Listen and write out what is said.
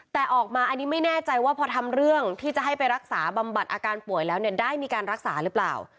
แต่ออกมาอันนี้ไม่แน่ใจว่าพอทำเรื่องที่จะให้ไปรักษาบำบัดอาการป่วยแล้วเนี่ยได้มีการรักษาหรือเปล่า